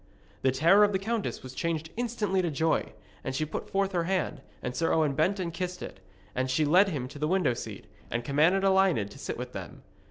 The terror of the countess was changed instantly into joy, and she put forth her hand, and Sir Owen bent and kissed it, and she led him to the window seat, and commanded Elined to sit with them.